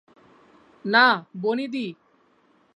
না, বনিদি!